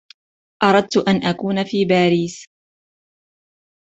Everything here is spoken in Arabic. أردت أن أكون في باريس.